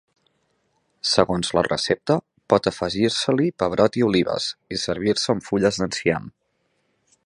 Segons la recepta, pot afegir-se-li pebrot i olives, i servir-se amb fulles d'enciam.